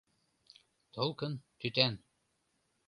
Толкын — тӱтан.